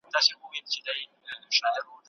راز افشا کول د ایمان کمزوري ده.